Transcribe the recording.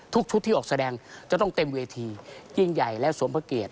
ทุกชุดที่ออกแสดงจะต้องเต็มเวทียิ่งใหญ่และสมพระเกต